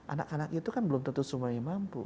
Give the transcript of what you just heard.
anak anak itu kan belum tentu semuanya mampu